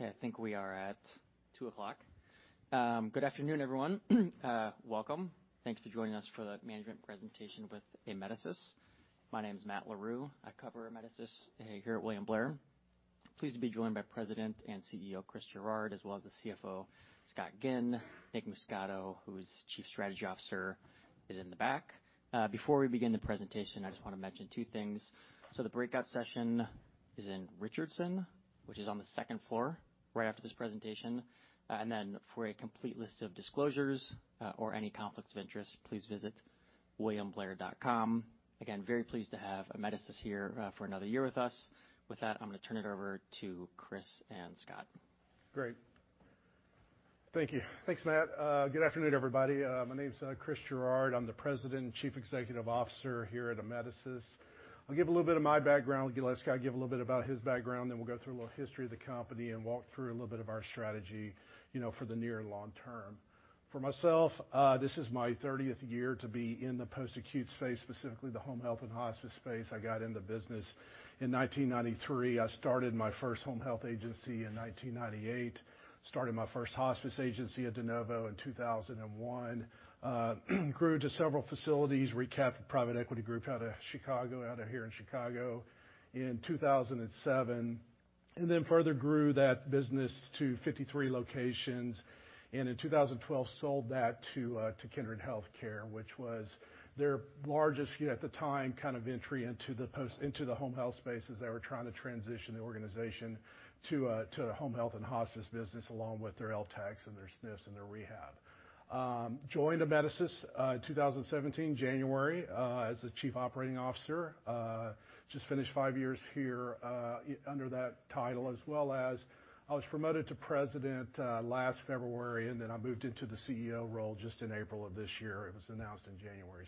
Okay, I think we are at 2:00 P.M. Good afternoon, everyone. Welcome. Thanks for joining us for the management presentation with Amedisys. My name is Matt Larew. I cover Amedisys here at William Blair. Pleased to be joined by President and CEO Chris Gerard, as well as the CFO Scott Ginn. Nick Muscato, who is Chief Strategy Officer, is in the back. Before we begin the presentation, I just wanna mention two things. The breakout session is in Richardson, which is on the second floor right after this presentation. For a complete list of disclosures or any conflicts of interest, please visit williamblair.com. Again, very pleased to have Amedisys here for another year with us. With that, I'm gonna turn it over to Chris and Scott. Great. Thank you. Thanks, Matt. Good afternoon, everybody. My name's Chris Gerard, I'm the President and Chief Executive Officer here at Amedisys. I'll give a little bit of my background. Let Scott give a little bit about his background, then we'll go through a little history of the company and walk through a little bit of our strategy, you know, for the near and long term. For myself, this is my 30th year to be in the post-acute space, specifically the home health and hospice space. I got in the business in 1993. I started my first home health agency in 1998. Started my first hospice agency de novo in 2001. Grew to several facilities, recap private equity group out of Chicago, out of here in Chicago in 2007. Then further grew that business to 53 locations. In 2012 sold that to Kindred Healthcare, which was their largest here at the time, kind of entry into the home health space as they were trying to transition the organization to the home health and hospice business along with their LTCHs and their SNFs and their rehab. Joined Amedisys, 2017, January, as the Chief Operating Officer. Just finished 5 years here, under that title, as well as I was promoted to President, last February, and then I moved into the CEO role just in April of this year. It was announced in January.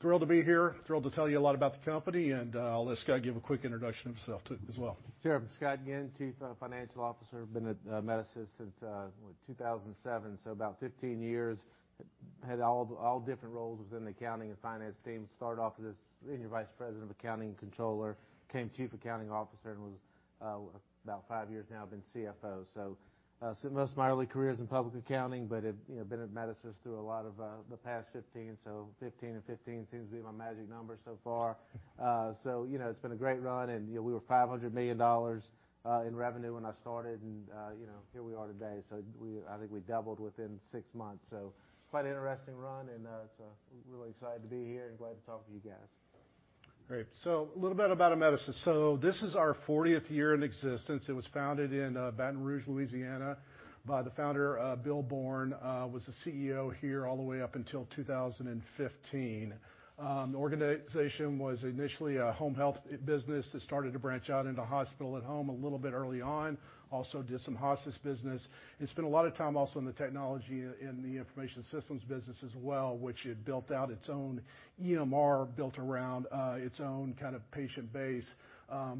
Thrilled to be here. Thrilled to tell you a lot about the company, and I'll let Scott give a quick introduction of himself too, as well. Sure. Scott Ginn, Chief Financial Officer. Been at Amedisys since what? 2007, so about 15 years. Had all different roles within the accounting and finance team. Started off as Senior Vice President of Accounting and Controller. Became Chief Accounting Officer and was about 5 years now I've been CFO. So, so most of my early career is in public accounting, but have, you know, been at Amedisys through a lot of the past 15. So 15 and 15 seems to be my magic number so far. So, you know, it's been a great run and, you know, we were $500 million in revenue when I started and, you know, here we are today. I think we doubled within 6 months. Quite an interesting run and so really excited to be here and glad to talk to you guys. Great. A little bit about Amedisys. This is our 4 year in existence. It was founded in Baton Rouge, Louisiana, by the founder Bill Borne was the CEO here all the way up until 2015. The organization was initially a home health business that started to branch out into Hospital at Home a little bit early on. Also did some hospice business, and spent a lot of time also in the technology and the information systems business as well, which it built out its own EMR, built around its own kind of patient base,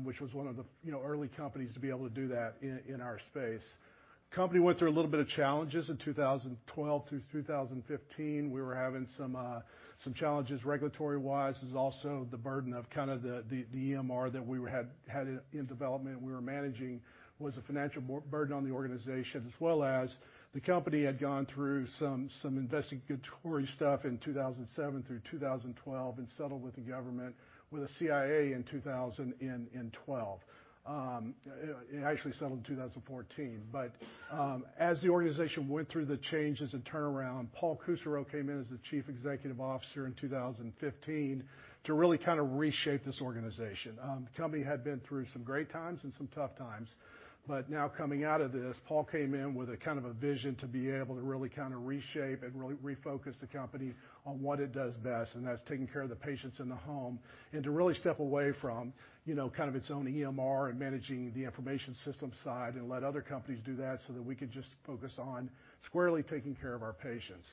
which was one of the, you know, early companies to be able to do that in our space. Company went through a little bit of challenges in 2012 through 2015. We were having some challenges regulatory-wise. There's also the burden of kinda the EMR that we had in development we were managing was a financial burden on the organization, as well as the company had gone through some investigatory stuff in 2007 through 2012 and settled with the government with a CIA in 2012. It actually settled in 2014. As the organization went through the changes and turnaround, Paul Kusserow came in as the Chief Executive Officer in 2015 to really kinda reshape this organization. The company had been through some great times and some tough times, but now coming out of this, Paul Kusserow came in with a kind of a vision to be able to really kinda reshape and really refocus the company on what it does best, and that's taking care of the patients in the home. To really step away from, you know, kind of its own EMR and managing the information system side and let other companies do that, so that we could just focus on squarely taking care of our patients.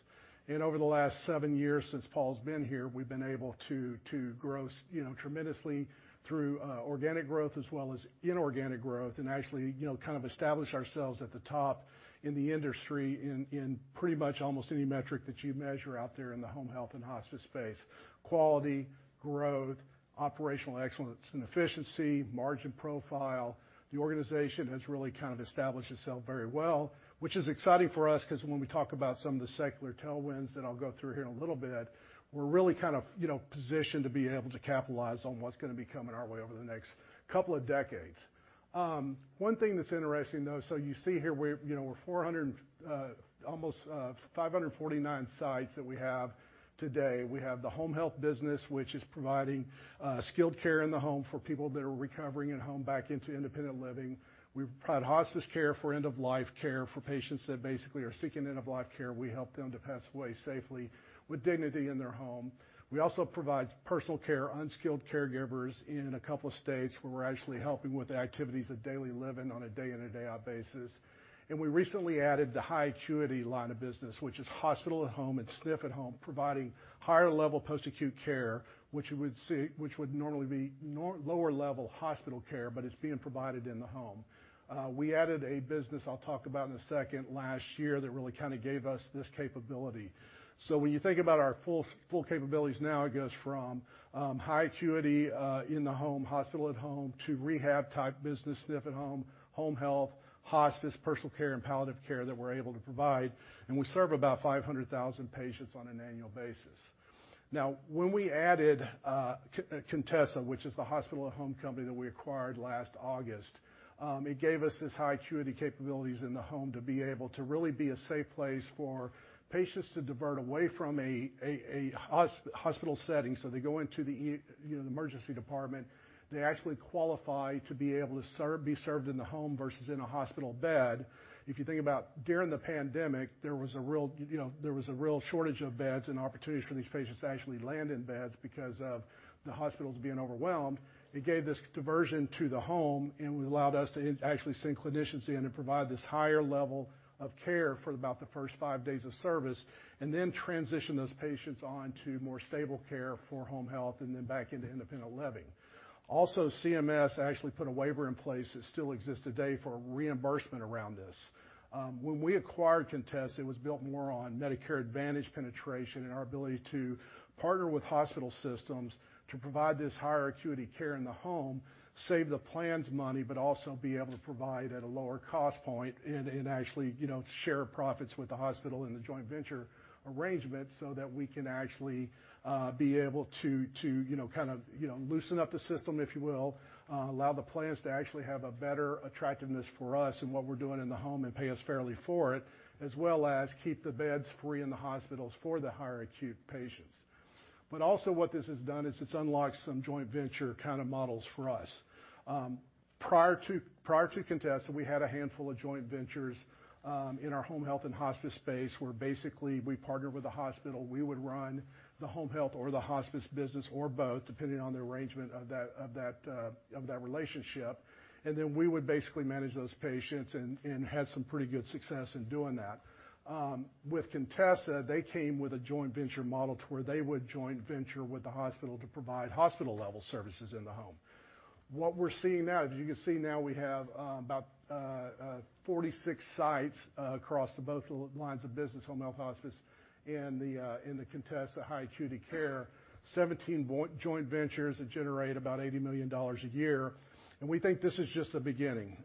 Over the last seven years since Paul's been here, we've been able to to grow, you know, tremendously through organic growth as well as inorganic growth, and actually, you know, kind of establish ourselves at the top in the industry in pretty much almost any metric that you measure out there in the home health and hospice space. Quality, growth, operational excellence and efficiency, margin profile. The organization has really kind of established itself very well, which is exciting for us 'cause when we talk about some of the secular tailwinds that I'll go through here in a little bit, we're really kind of, you know, positioned to be able to capitalize on what's gonna be coming our way over the next couple of decades. One thing that's interesting, though, so you see here, we're, you know, almost 549 sites that we have today. We have the home health business, which is providing skilled care in the home for people that are recovering at home back into independent living. We provide hospice care for end of life care for patients that basically are seeking end of life care. We help them to pass away safely with dignity in their home. We also provide personal care, unskilled caregivers in a couple of states where we're actually helping with activities of daily living on a day in and day out basis. We recently added the high acuity line of business, which is Hospital at Home and SNF at home, providing higher level post-acute care, which would normally be lower level hospital care, but it's being provided in the home. We added a business I'll talk about in a second last year that really kinda gave us this capability. When you think about our full capabilities now, it goes from high acuity in the home, Hospital at Home to rehab type business, SNF at home health, hospice, personal care, and palliative care that we're able to provide, and we serve about 500,000 patients on an annual basis. Now, when we added Contessa, which is the hospital at home company that we acquired last August, it gave us this high acuity capabilities in the home to be able to really be a safe place for patients to divert away from a hospital setting. They go into the emergency department, you know, they actually qualify to be able to be served in the home versus in a hospital bed. If you think about during the pandemic, there was a real, you know, shortage of beds and opportunities for these patients to actually land in beds because of the hospitals being overwhelmed. It gave this diversion to the home, and it allowed us to actually send clinicians in and provide this higher level of care for about the first five days of service, and then transition those patients on to more stable care for home health and then back into independent living. Also, CMS actually put a waiver in place that still exists today for reimbursement around this. When we acquired Contessa, it was built more on Medicare Advantage penetration and our ability to partner with hospital systems to provide this higher acuity care in the home, save the plans money, but also be able to provide at a lower cost point and actually, you know, share profits with the hospital in the joint venture arrangement so that we can actually be able to you know kind of you know loosen up the system, if you will, allow the plans to actually have a better attractiveness for us and what we're doing in the home and pay us fairly for it, as well as keep the beds free in the hospitals for the higher acute patients. Also what this has done is it's unlocked some joint venture kinda models for us. Prior to Contessa, we had a handful of joint ventures in our home health and hospice space, where basically we partnered with a hospital. We would run the home health or the hospice business or both, depending on the arrangement of that relationship. We would basically manage those patients and had some pretty good success in doing that. With Contessa, they came with a joint venture model to where they would joint venture with the hospital to provide hospital-level services in the home. What we're seeing now, as you can see now, we have about 46 sites across both lines of business, home health, hospice, and then in the Contessa high acuity care. 17 joint ventures that generate about $80 million a year. We think this is just the beginning.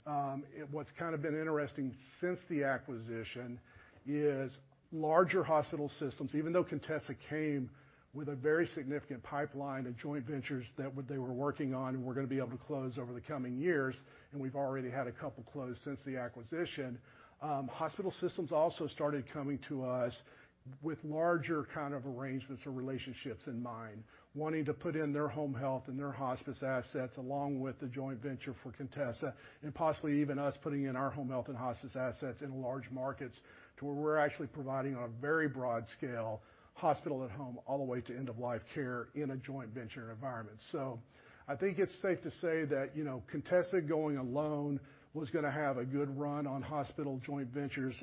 What's kinda been interesting since the acquisition is larger hospital systems, even though Contessa came with a very significant pipeline of joint ventures that they were working on and we're gonna be able to close over the coming years, and we've already had a couple close since the acquisition. Hospital systems also started coming to us with larger kind of arrangements or relationships in mind, wanting to put in their home health and their hospice assets, along with the joint venture for Contessa, and possibly even us putting in our home health and hospice assets in large markets to where we're actually providing on a very broad scale Hospital at Home all the way to end-of-life care in a joint venture environment. I think it's safe to say that, you know, Contessa going alone was gonna have a good run on hospital joint ventures,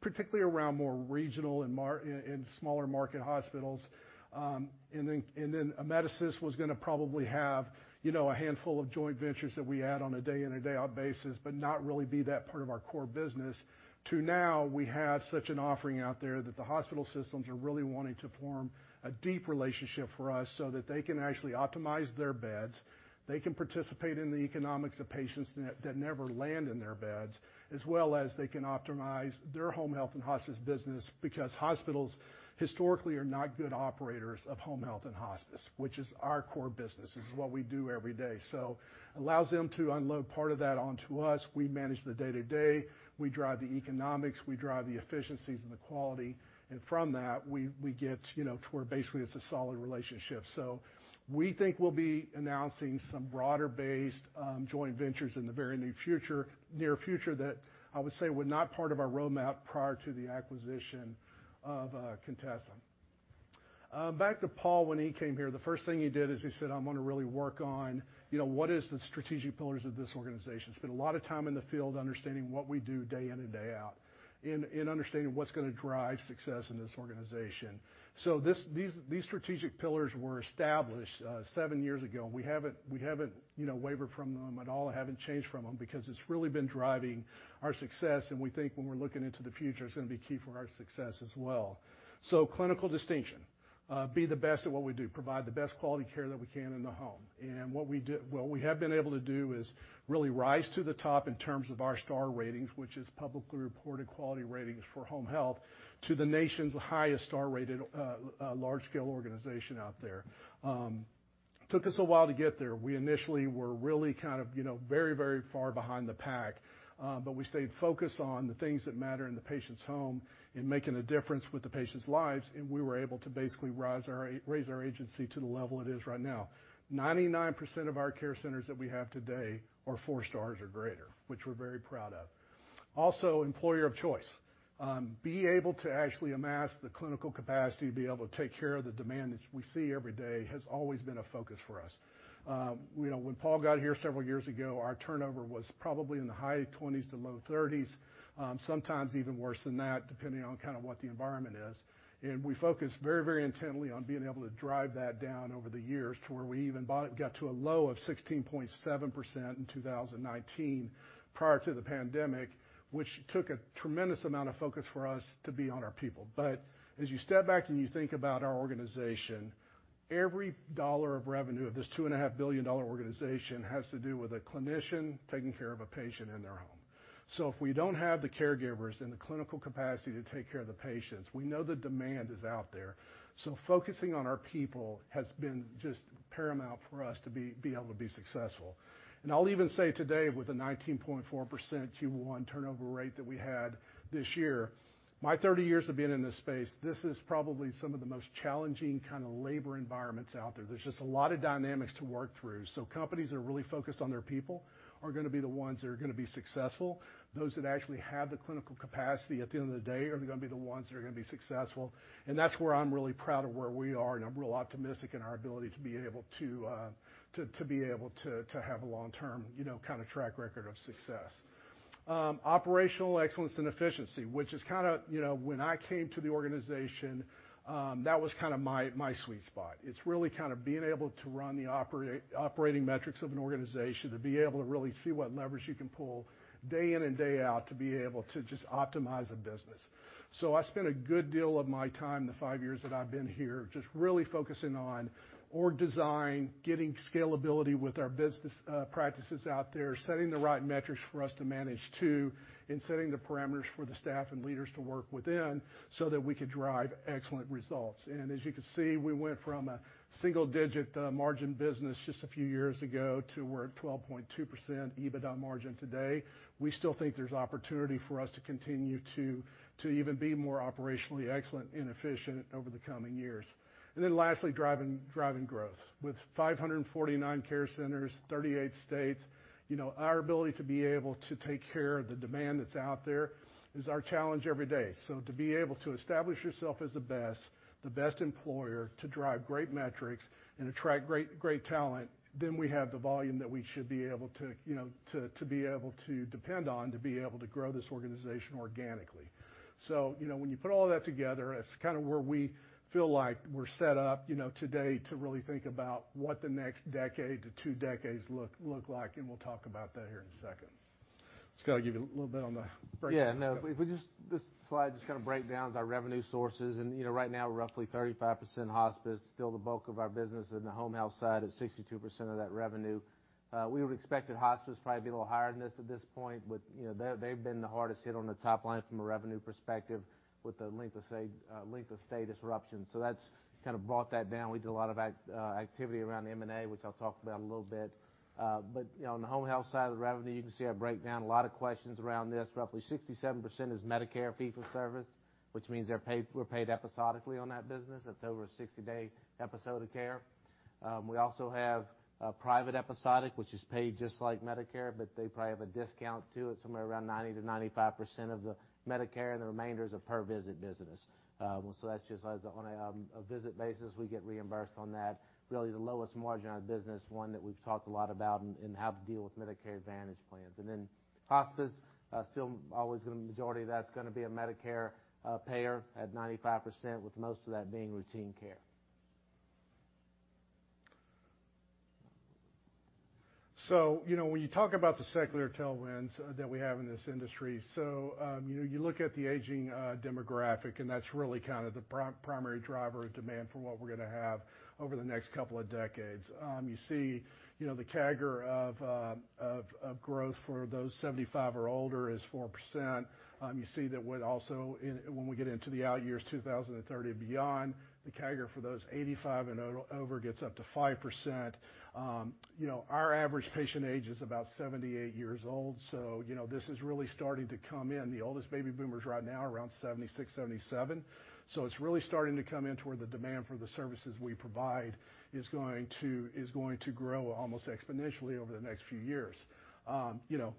particularly around more regional and smaller market hospitals. Amedisys was gonna probably have, you know, a handful of joint ventures that we add on a day in and day out basis, but not really be that part of our core business. Today we have such an offering out there that the hospital systems are really wanting to form a deep relationship for us so that they can actually optimize their beds, they can participate in the economics of patients that never land in their beds, as well as they can optimize their home health and hospice business because hospitals historically are not good operators of home health and hospice, which is our core business. This is what we do every day. Allows them to unload part of that onto us. We manage the day-to-day, we drive the economics, we drive the efficiencies and the quality. From that, we get, you know, to where basically it's a solid relationship. We think we'll be announcing some broader-based joint ventures in the very near future that I would say were not part of our roadmap prior to the acquisition of Contessa. Back to Paul when he came here, the first thing he did is he said, "I'm gonna really work on, you know, what is the strategic pillars of this organization." Spent a lot of time in the field understanding what we do day in and day out and understanding what's gonna drive success in this organization. These strategic pillars were established seven years ago, and we haven't you know wavered from them at all, haven't changed from them because it's really been driving our success, and we think when we're looking into the future, it's gonna be key for our success as well. Clinical distinction, be the best at what we do, provide the best quality care that we can in the home. What we have been able to do is really rise to the top in terms of our star ratings, which is publicly reported quality ratings for home health to the nation's highest star-rated large scale organization out there. Took us a while to get there. We initially were really kind of, you know, very, very far behind the pack, but we stayed focused on the things that matter in the patient's home, in making a difference with the patients' lives, and we were able to basically raise our agency to the level it is right now. 99% of our care centers that we have today are four stars or greater, which we're very proud of. Also, employer of choice. Be able to actually amass the clinical capacity to be able to take care of the demand which we see every day has always been a focus for us. You know, when Paul got here several years ago, our turnover was probably in the high 20s to low 30s, sometimes even worse than that, depending on kinda what the environment is. We focused very, very intently on being able to drive that down over the years to where we even got to a low of 16.7% in 2019 prior to the pandemic, which took a tremendous amount of focus for us to be on our people. As you step back and you think about our organization, every dollar of revenue of this $2.5 billion organization has to do with a clinician taking care of a patient in their home. If we don't have the caregivers and the clinical capacity to take care of the patients, we know the demand is out there. Focusing on our people has been just paramount for us to be able to be successful. I'll even say today, with the 19.4% Q1 turnover rate that we had this year, my 30 years of being in this space, this is probably some of the most challenging kind of labor environments out there. There's just a lot of dynamics to work through. Companies that are really focused on their people are gonna be the ones that are gonna be successful. Those that actually have the clinical capacity at the end of the day are gonna be the ones that are gonna be successful. That's where I'm really proud of where we are, and I'm real optimistic in our ability to be able to have a long-term, you know, kind of track record of success. Operational excellence and efficiency, which is kinda, you know, when I came to the organization, that was kind of my sweet spot. It's really kind of being able to run the operating metrics of an organization to be able to really see what leverage you can pull day in and day out to be able to just optimize a business. I spent a good deal of my time, the five years that I've been here, just really focusing on org design, getting scalability with our business practices out there, setting the right metrics for us to manage to, and setting the parameters for the staff and leaders to work within so that we could drive excellent results. As you can see, we went from a single-digit margin business just a few years ago, to we're at 12.2% EBITDA margin today. We still think there's opportunity for us to continue to even be more operationally excellent and efficient over the coming years. Then lastly, driving growth. With 549 care centers, 38 states, you know, our ability to be able to take care of the demand that's out there is our challenge every day. To be able to establish yourself as the best employer, to drive great metrics and attract great talent, then we have the volume that we should be able to, you know, to be able to depend on, to be able to grow this organization organically. you know, when you put all that together, that's kind of where we feel like we're set up, you know, today to really think about what the next decade to two decades look like, and we'll talk about that here in a second. Scott, give you a little bit on the breakdown. Yeah, no. This slide just kind of breaks down our revenue sources, and, you know, right now roughly 35% hospice, still the bulk of our business in the home health side is 62% of that revenue. We would expect hospice probably be a little higher than this at this point, but, you know, they've been the hardest hit on the top line from a revenue perspective with the length of stay disruption. So that's kind of brought that down. We do a lot of activity around M&A, which I'll talk about in a little bit. You know, on the home health side of the revenue, you can see our breakdown. A lot of questions around this. Roughly 67% is Medicare fee-for-service, which means we're paid episodically on that business. That's over a 60-day episode of care. We also have a private episodic, which is paid just like Medicare, but they probably have a discount to it, somewhere around 90%-95% of the Medicare, the remainder is a per visit business. So that's just as on a visit basis, we get reimbursed on that. Really the lowest margin on business, one that we've talked a lot about and how to deal with Medicare Advantage plans. Then hospice still always gonna majority of that's gonna be a Medicare payer at 95%, with most of that being routine care. You know, when you talk about the secular tailwinds that we have in this industry, you know, you look at the aging demographic, and that's really kind of the primary driver of demand for what we're gonna have over the next couple of decades. You see, you know, the CAGR of growth for those 75 or older is 4%. You see that with also when we get into the out years, 2030 beyond, the CAGR for those 85 and over gets up to 5%. You know, our average patient age is about 78 years old. You know, this is really starting to come in. The oldest baby boomers right now are around 76, 77. It's really starting to come in toward the demand for the services we provide is going to grow almost exponentially over the next few years. You know,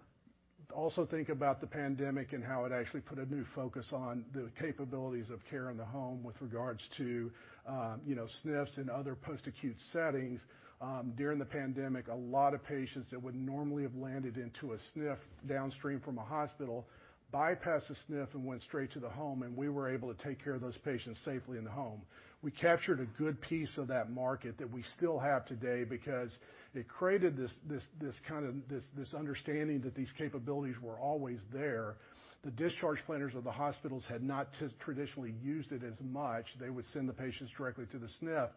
also think about the pandemic and how it actually put a new focus on the capabilities of care in the home with regards to, you know, SNFs and other post-acute settings. During the pandemic, a lot of patients that would normally have landed into a SNF downstream from a hospital bypassed the SNF and went straight to the home, and we were able to take care of those patients safely in the home. We captured a good piece of that market that we still have today because it created this kind of understanding that these capabilities were always there. The discharge planners of the hospitals had not traditionally used it as much. They would send the patients directly to the SNF.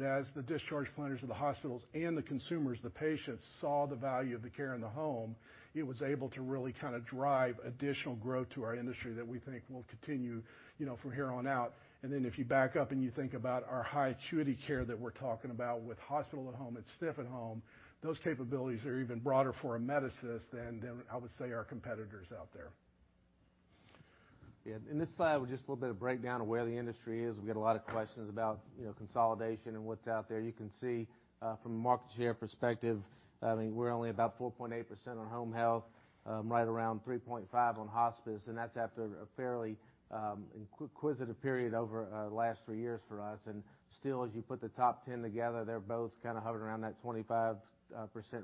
As the discharge planners of the hospitals and the consumers, the patients, saw the value of the care in the home, it was able to really kind of drive additional growth to our industry that we think will continue, you know, from here on out. If you back up and you think about our high acuity care that we're talking about with Hospital at Home and SNF at home, those capabilities are even broader for Amedisys than I would say our competitors out there. Yeah. In this slide, just a little bit of breakdown of where the industry is. We get a lot of questions about, you know, consolidation and what's out there. You can see, from a market share perspective, I mean, we're only about 4.8% on home health, right around 3.5% on hospice, and that's after a fairly, acquisitive period over, the last three years for us. Still, as you put the top ten together, they're both kind of hovering around that 25%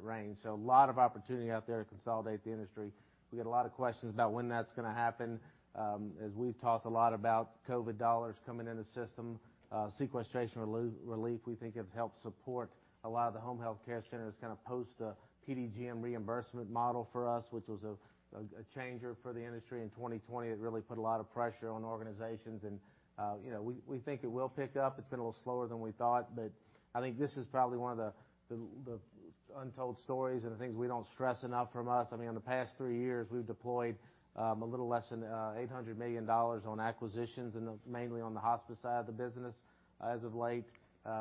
range. A lot of opportunity out there to consolidate the industry. We get a lot of questions about when that's gonna happen. As we've talked a lot about COVID dollars coming in the system, sequestration relief, we think, has helped support a lot of the home healthcare centers kind of post the PDGM reimbursement model for us, which was a changer for the industry in 2020. It really put a lot of pressure on organizations and, you know, we think it will pick up. It's been a little slower than we thought, but I think this is probably one of the untold stories and the things we don't stress enough from us, I mean, in the past three years, we've deployed a little less than $800 million on acquisitions and mainly on the hospice side of the business. As of late,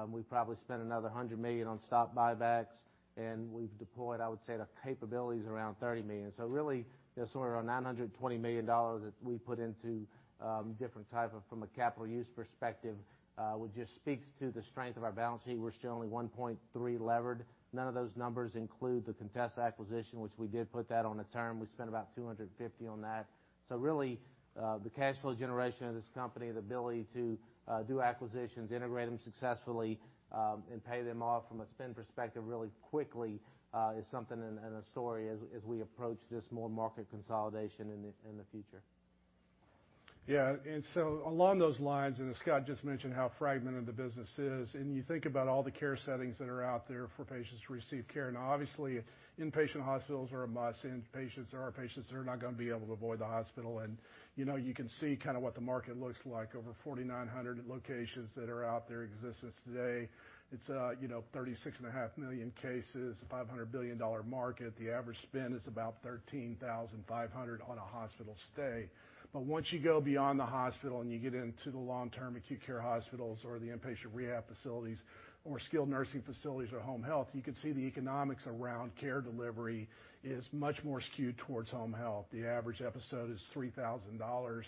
we've probably spent another $100 million on stock buybacks, and we've deployed, I would say, the capabilities around $30 million. Really, you know, sort of around $920 million that we put into different types from a capital use perspective, which just speaks to the strength of our balance sheet. We're still only 1.3 levered. None of those numbers include the Contessa acquisition, which we did put that on a term. We spent about $250 million on that. Really, the cash flow generation of this company, the ability to do acquisitions, integrate them successfully, and pay them off from a spend perspective really quickly, is something and a story as we approach this more market consolidation in the future. Yeah. Along those lines, and as Scott just mentioned, how fragmented the business is, and you think about all the care settings that are out there for patients to receive care. Now obviously, inpatient hospitals are a must, and patients are our patients that are not gonna be able to avoid the hospital. You know, you can see kind of what the market looks like, over 4,900 locations that are out there in existence today. It's, you know, 36.5 million cases, $500 billion market. The average spend is about $13,500 on a hospital stay. Once you go beyond the hospital and you get into the long-term acute care hospitals or the inpatient rehab facilities or skilled nursing facilities or home health, you can see the economics around care delivery is much more skewed towards home health. The average episode is $3,000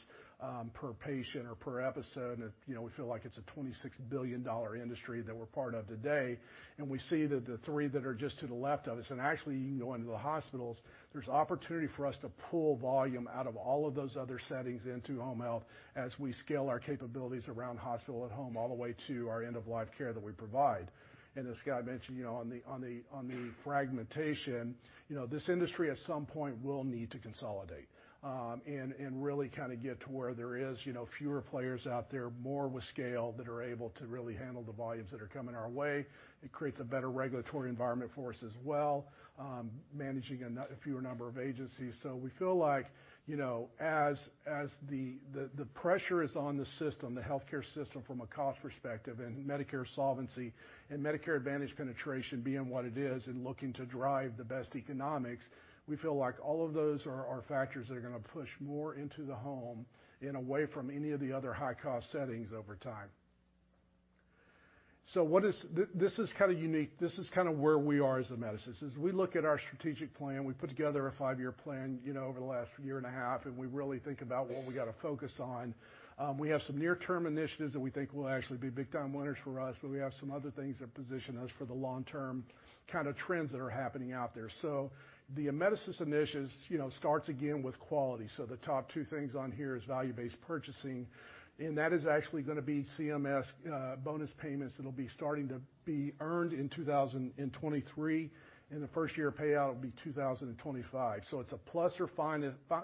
per patient or per episode. You know, we feel like it's a $26 billion industry that we're part of today, and we see that the 3 that are just to the left of us, and actually you can go into the hospitals, there's opportunity for us to pull volume out of all of those other settings into home health as we scale our capabilities around Hospital at Home all the way to our end-of-life care that we provide. As Scott mentioned, you know, on the fragmentation, you know, this industry at some point will need to consolidate, and really kind of get to where there is, you know, fewer players out there, more with scale that are able to really handle the volumes that are coming our way. It creates a better regulatory environment for us as well, managing a fewer number of agencies. We feel like, as the pressure is on the system, the healthcare system from a cost perspective and Medicare solvency and Medicare Advantage penetration being what it is and looking to drive the best economics, we feel like all of those are factors that are gonna push more into the home and away from any of the other high-cost settings over time. This is kind of unique. This is kind of where we are as Amedisys. As we look at our strategic plan, we put together a five-year plan, over the last year and a half, and we really think about what we got to focus on. We have some near-term initiatives that we think will actually be big time winners for us, but we have some other things that position us for the long-term kind of trends that are happening out there. The Amedisys initiatives, you know, starts again with quality. The top two things on here is value-based purchasing, and that is actually gonna be CMS bonus payments that'll be starting to be earned in 2023, and the first year payout will be 2025. It's a plus or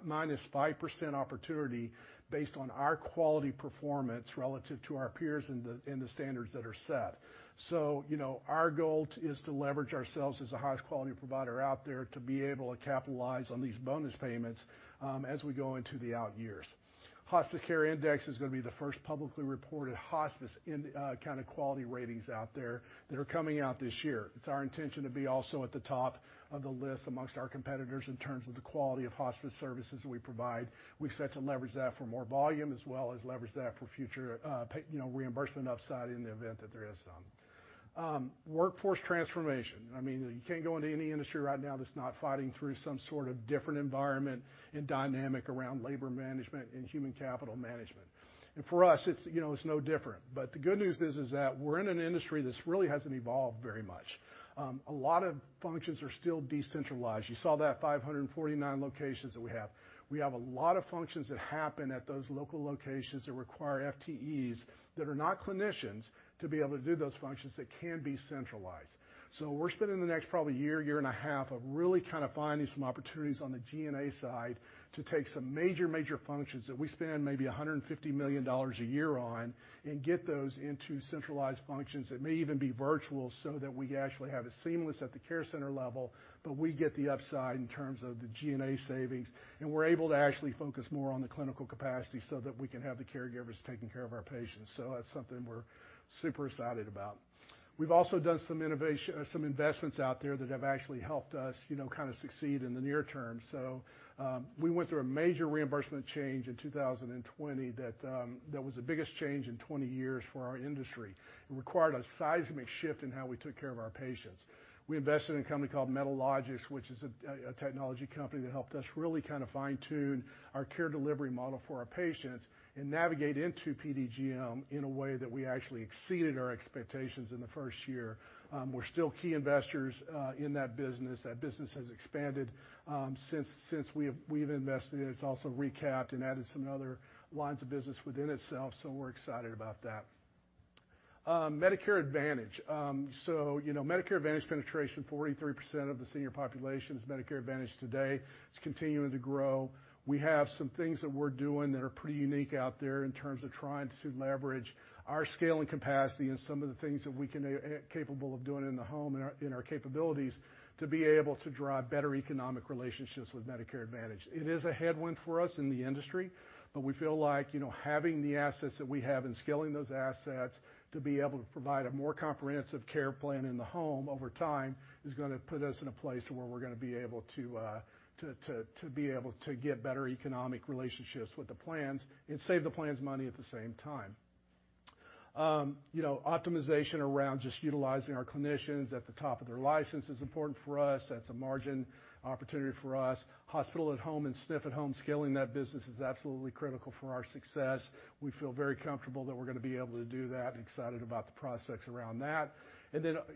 minus 5% opportunity based on our quality performance relative to our peers and the standards that are set. You know, our goal is to leverage ourselves as the highest quality provider out there to be able to capitalize on these bonus payments as we go into the out years. Hospice Care Index is gonna be the first publicly reported hospice in kind of quality ratings out there that are coming out this year. It's our intention to be also at the top of the list amongst our competitors in terms of the quality of hospice services we provide. We expect to leverage that for more volume as well as leverage that for future reimbursement upside in the event that there is some. Workforce transformation. I mean, you can't go into any industry right now that's not fighting through some sort of different environment and dynamic around labor management and human capital management. For us, it's, you know, it's no different. The good news is that we're in an industry that really hasn't evolved very much. A lot of functions are still decentralized. You saw that 549 locations that we have. We have a lot of functions that happen at those local locations that require FTEs that are not clinicians to be able to do those functions that can be centralized. We're spending the next probably year and a half of really kind of finding some opportunities on the G&A side to take some major functions that we spend maybe $150 million a year on and get those into centralized functions that may even be virtual so that we actually have it seamless at the care center level, but we get the upside in terms of the G&A savings, and we're able to actually focus more on the clinical capacity so that we can have the caregivers taking care of our patients. That's something we're super excited about. We've also done some investments out there that have actually helped us, you know, kind of succeed in the near term. We went through a major reimbursement change in 2020 that was the biggest change in 20 years for our industry. It required a seismic shift in how we took care of our patients. We invested in a company called Medalogix, which is a technology company that helped us really kind of fine-tune our care delivery model for our patients and navigate into PDGM in a way that we actually exceeded our expectations in the first year. We're still key investors in that business. That business has expanded since we've invested in it. It's also recapped and added some other lines of business within itself, so we're excited about that. Medicare Advantage. You know, Medicare Advantage penetration, 43% of the senior population is Medicare Advantage today. It's continuing to grow. We have some things that we're doing that are pretty unique out there in terms of trying to leverage our scaling capacity and some of the things that we are capable of doing in the home and our capabilities to be able to drive better economic relationships with Medicare Advantage. It is a headwind for us in the industry, but we feel like, you know, having the assets that we have and scaling those assets to be able to provide a more comprehensive care plan in the home over time is gonna put us in a place to where we're gonna be able to get better economic relationships with the plans and save the plans money at the same time. You know, optimization around just utilizing our clinicians at the top of their license is important for us. That's a margin opportunity for us. Hospital at Home and SNF at Home, scaling that business is absolutely critical for our success. We feel very comfortable that we're gonna be able to do that and excited about the prospects around that.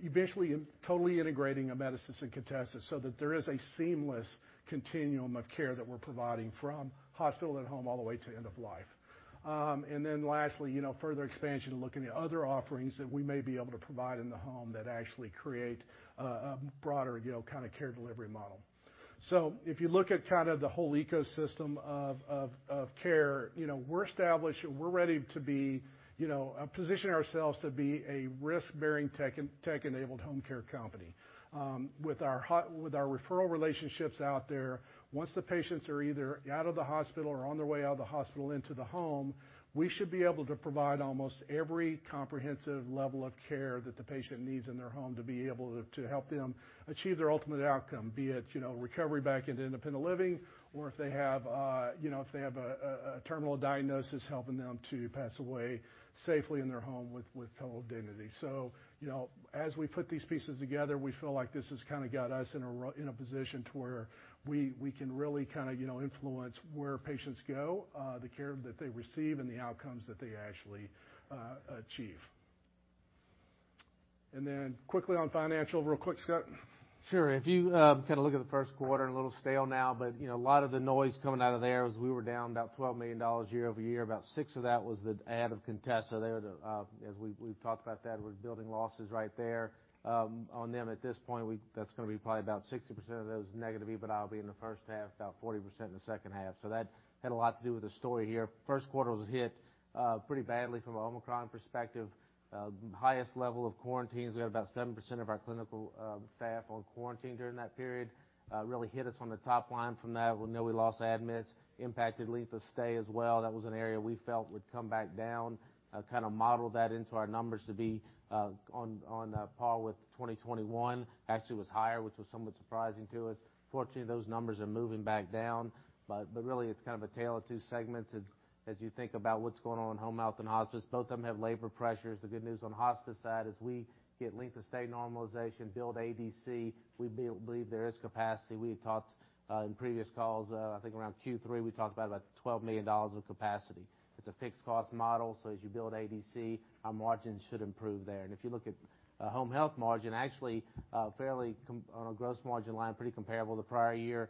Eventually, totally integrating Amedisys and Contessa so that there is a seamless continuum of care that we're providing from Hospital at Home all the way to end of life. Lastly, you know, further expansion and looking at other offerings that we may be able to provide in the home that actually create a broader, you know, kind of care delivery model. If you look at kind of the whole ecosystem of care, you know, we're established. We're ready to be, you know, position ourselves to be a risk-bearing tech-enabled home care company. With our referral relationships out there, once the patients are either out of the hospital or on their way out of the hospital into the home, we should be able to provide almost every comprehensive level of care that the patient needs in their home to be able to help them achieve their ultimate outcome. Be it, you know, recovery back into independent living, or if they have a terminal diagnosis, helping them to pass away safely in their home with total dignity. You know, as we put these pieces together, we feel like this has kind of got us in a position to where we can really kind of, you know, influence where patients go, the care that they receive, and the outcomes that they actually achieve. Quickly on financials, real quick, Scott. Sure. If you kind of look at the first quarter, a little stale now, but you know, a lot of the noise coming out of there was we were down about $12 million year-over-year. About $6 million of that was the add of Contessa. They were, as we've talked about that, we're building losses right there on them at this point. That's gonna be probably about 60% of those negative EBITDA will be in the first half, about 40% in the second half. That had a lot to do with the story here. First quarter was hit pretty badly from an Omicron perspective. Highest level of quarantines. We had about 7% of our clinical staff on quarantine during that period. Really hit us on the top line from that. We know we lost admits, impacted length of stay as well. That was an area we felt would come back down, kind of modeled that into our numbers to be on par with 2021. Actually it was higher, which was somewhat surprising to us. Fortunately, those numbers are moving back down. Really it's kind of a tale of two segments as you think about what's going on in home health and hospice. Both of them have labor pressures. The good news on hospice side is we get length of stay normalization, build ADC, we believe there is capacity. We had talked in previous calls. I think around Q3, we talked about $12 million of capacity. It's a fixed cost model, so as you build ADC, our margins should improve there. If you look at home health margin, actually, fairly on a gross margin line, pretty comparable to prior year.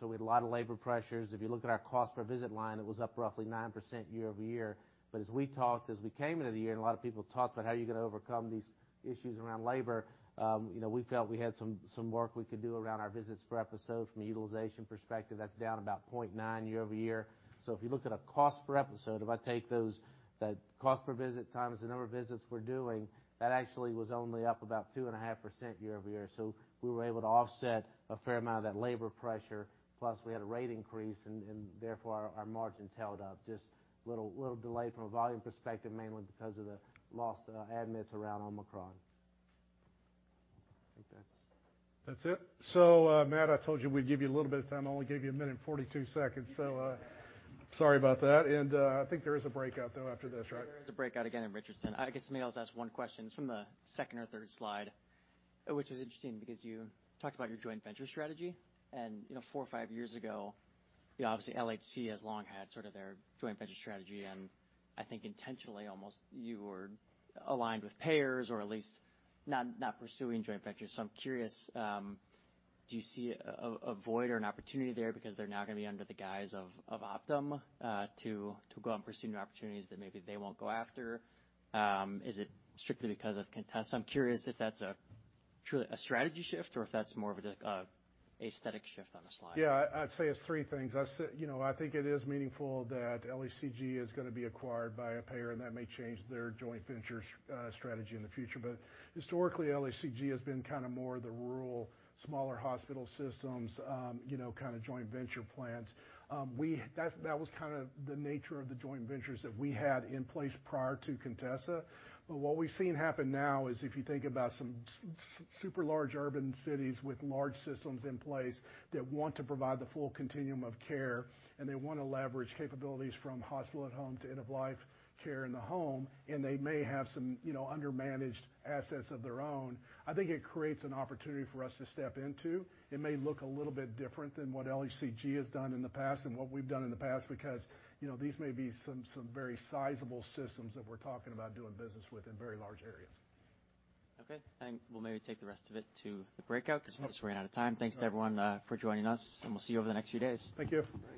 We had a lot of labor pressures. If you look at our cost per visit line, it was up roughly 9% year-over-year. As we talked, as we came into the year, and a lot of people talked about how you're gonna overcome these issues around labor, you know, we felt we had some work we could do around our visits per episode from a utilization perspective. That's down about 0.9 year-over-year. If you look at a cost per episode, if I take that cost per visit times the number of visits we're doing, that actually was only up about 2.5% year-over-year. We were able to offset a fair amount of that labor pressure, plus we had a rate increase and therefore our margins held up. Just little delay from a volume perspective, mainly because of the lost admits around Omicron. I think that's. That's it. Matt, I told you we'd give you a little bit of time. I only gave you a minute and 42 seconds, so sorry about that. I think there is a breakout, though, after this, right? There is a breakout again in Richardson. I guess let me also ask one question. It's from the second or third slide, which was interesting because you talked about your joint venture strategy. You know, four or five years ago, you know, obviously, LHC has long had sort of their joint venture strategy. I think intentionally almost, you were aligned with payers or at least not pursuing joint ventures. I'm curious, do you see a void or an opportunity there because they're now gonna be under the guise of Optum to go out and pursue new opportunities that maybe they won't go after? Is it strictly because of Contessa? I'm curious if that's a truly a strategy shift or if that's more of just a aesthetic shift on the slide. Yeah. I'd say it's three things. You know, I think it is meaningful that LHC Group is gonna be acquired by a payer, and that may change their joint venture strategy in the future. Historically, LHC Group has been kinda more the rural, smaller hospital systems, you know, kind of joint venture plans. That was kind of the nature of the joint ventures that we had in place prior to Contessa. What we've seen happen now is if you think about some super large urban cities with large systems in place that want to provide the full continuum of care, and they wanna leverage capabilities from Hospital at Home to end of life care in the home, and they may have some, you know, undermanaged assets of their own, I think it creates an opportunity for us to step into. It may look a little bit different than what LHC has done in the past and what we've done in the past because, you know, these may be some very sizable systems that we're talking about doing business with in very large areas. Okay. We'll maybe take the rest of it to the breakout because we just ran out of time. Thanks to everyone for joining us, and we'll see you over the next few days. Thank you.